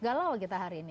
galau kita hari ini